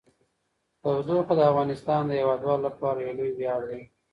تودوخه د افغانستان د هیوادوالو لپاره یو لوی ویاړ دی.